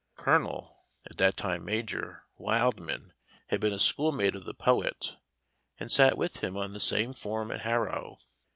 Colonel (at that time Major) Wildman had been a schoolmate of the poet, and sat with him on the same form at Harrow.